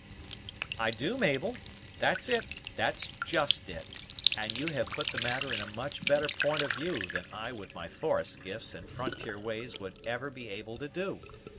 "I do, Mabel; that's it, that's just it; and you have put the matter in a much better point of view than I with my forest gifts and frontier ways would ever be able to do.